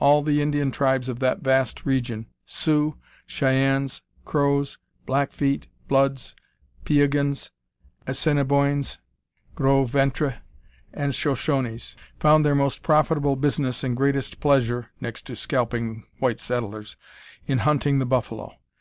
All the Indian tribes of that vast region Sioux, Cheyennes, Crows, Blackfeet, Bloods, Piegans, Assinniboines, Gros Ventres, and Shoshones found their most profitable business and greatest pleasure (next to scalping white settlers) in hunting the buffalo.